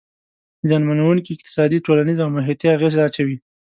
زیانمنووونکي اقتصادي، ټولنیز او محیطي اغیز اچوي.